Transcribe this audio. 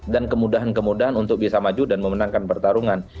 kemudahan kemudahan untuk bisa maju dan memenangkan pertarungan